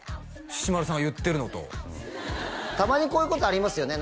しし丸さんが言ってるのとたまにこういうことありますよね